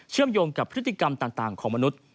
โยงกับพฤติกรรมต่างของมนุษย์